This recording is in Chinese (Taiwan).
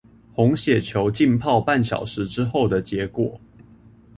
紅血球浸泡半小時之後的結果